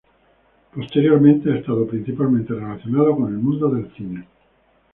Posteriormente ha estado principalmente relacionado con el mundo del cine.